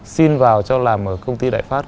xin vào cho làm ở công ty đại pháp